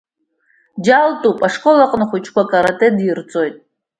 Џьалтәуп, ашкол аҟны ахәыҷқәа акарате дирҵоит.